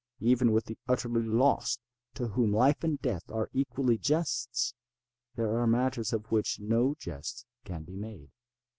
Even with the utterly lost, to whom life and death are equally jests, there are matters of which no jest can be made.